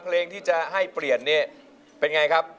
เพลงที่จะให้มีเปลี่ยนเป็นยังไงครับ